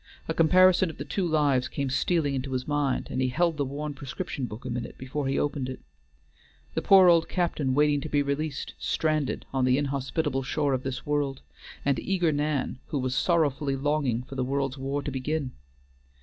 A comparison of the two lives came stealing into his mind, and he held the worn prescription book a minute before he opened it. The poor old captain waiting to be released, stranded on the inhospitable shore of this world, and eager Nan, who was sorrowfully longing for the world's war to begin.